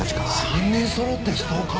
３人そろってストーカー？